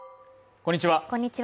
こんにちは